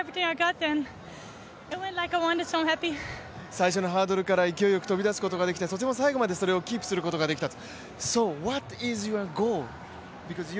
最初のハードルから勢いよく飛び出すことができて、とても最後までそれをキープすることができたと。